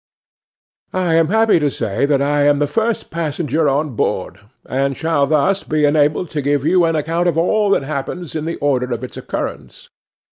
'I am happy to say that I am the first passenger on board, and shall thus be enabled to give you an account of all that happens in the order of its occurrence.